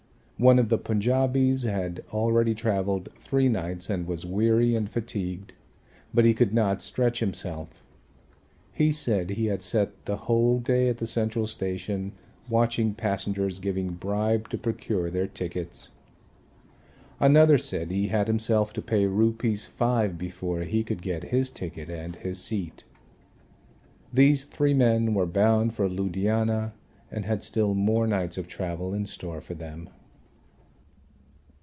One of the Punjabis had already travelled three nights and was weary and fatigued. But he could not stretch himself. He said he had sat the whole day at the Central Station watching passengers giving bribe to procure their tickets. Another said he had himself to pay Rs. 5 before he could get his ticket and his seat. These three men were bound for Ludhiana and had still more nights of travel in store for them.